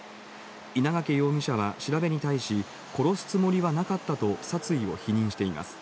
稲掛容疑者は調べに対し、殺すつもりはなかったと殺意を否認しています。